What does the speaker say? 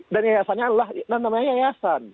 dan yayasannya adalah namanya yayasan